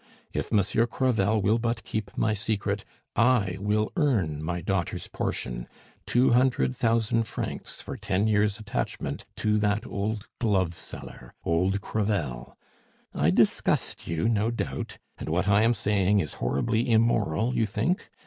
If Monsieur Crevel will but keep my secret, I will earn my daughter's portion two hundred thousand francs for ten years' attachment to that old gloveseller old Crevel!' I disgust you no doubt, and what I am saying is horribly immoral, you think?